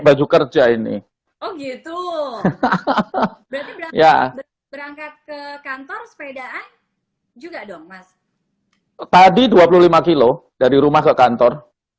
baju kerja ini oh gitu hahaha berangkat ke kantor